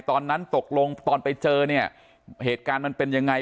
ตอนนั้นตกลงตอนไปเจอเนี่ยเหตุการณ์มันเป็นยังไง